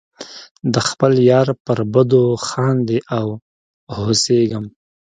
د خپل یار پر بدو خاندې او هوسیږم.